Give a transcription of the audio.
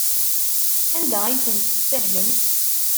Anda ay ten-tessahlem?